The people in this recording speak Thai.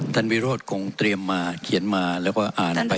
ขอประท้วงครับขอประท้วงครับขอประท้วงครับขอประท้วงครับขอประท้วงครับ